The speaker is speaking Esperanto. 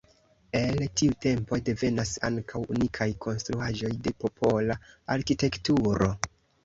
El tiu tempo devenas ankaŭ unikaj konstruaĵoj de popola arkitekturo.